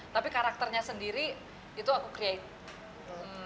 tapi karakternya sendiri itu aku create